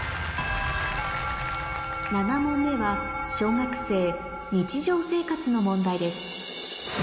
７問目は小学生の問題です